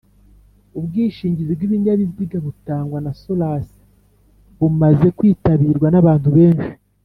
Ubwishingizi bwibinyabiziga butangwa na sorasi bumaze kwitabirwa nabantu benshi